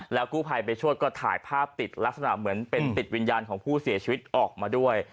กู้ภัยไปช่วยก็ถ่ายภาพติดลักษณะเหมือนเป็นติดวิญญาณของผู้เสียชีวิตออกมาด้วย